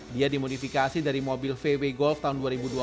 dia dimodifikasi dari mobil vw golf tahun dua ribu dua puluh